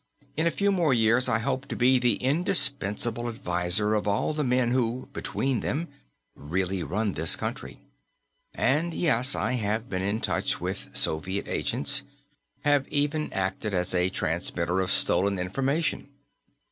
In a few more years, I hope to be the indispensable adviser of all the men who, between them, really run this country. And yes, I have been in touch with Soviet agents have even acted as a transmitter of stolen information.